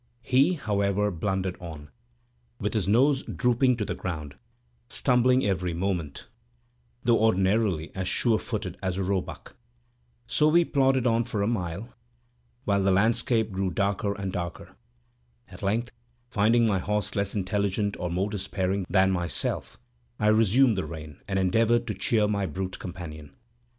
He, however, blundered on, with his nose drooping to the ground, stumbling every moment, though ordinarily as surefooted as a roebuck. So we plodded on for a mile, while the landscape grew darker and darker. At length, finding my horse less intelligent or more despairing than myself, I resumed the rein, and endeavored to cheer my brute companion.